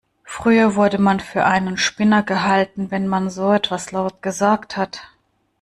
Früher wurde man für einen Spinner gehalten, wenn man so etwas laut gesagt hat.